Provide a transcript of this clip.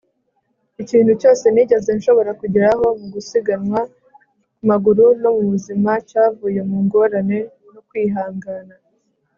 ikintu cyose nigeze nshobora kugeraho mu gusiganwa ku maguru no mu buzima cyavuye mu ngorane no kwihangana